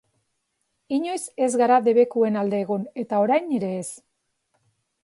Inoiz ez gara debekuen alde egon eta orain ere ez.